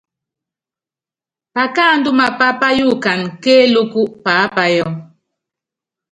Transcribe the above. Pakáandú mapá páyukana kéélúkú paápayɔ.